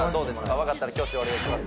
わかったら挙手お願いします